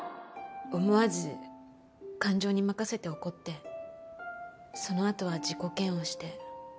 思わず感情に任せて怒ってそのあとは自己嫌悪して。